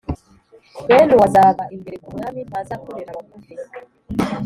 bene uwo azaba imbere ku mwami, ntazakorera abagufi